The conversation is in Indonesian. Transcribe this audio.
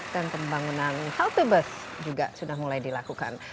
dan pembangunan halte bus juga sudah mulai dilakukan